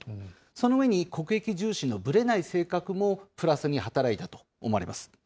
その上に国益重視のぶれない性格もプラスに働いたと思われます。